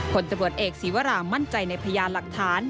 ผลตำรวจเอกศีวรามั่นใจในพยานหลักฐาน